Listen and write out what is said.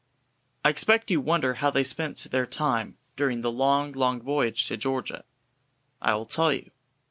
I expect you wonder how they spent their time during the long, long voyage to Georgia. I will tell you.